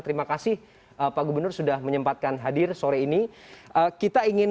terima kasih pak gubernur sudah menyempatkan hadir sore ini